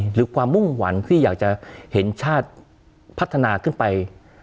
หรือความมุ่งหวังที่อยากจะเห็นชาติพัฒนาขึ้นไป